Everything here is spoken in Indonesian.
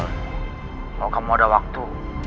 kalau kamu ada waktu